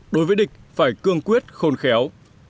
đối với địch phải cương quyết khôn khéo